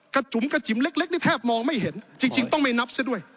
จุ๋มกระจิ๋มเล็กนี่แทบมองไม่เห็นจริงต้องไม่นับซะด้วย